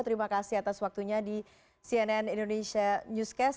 terima kasih atas waktunya di cnn indonesia newscast